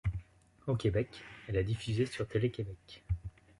Au Québec, elle est diffusée sur Télé-Québec.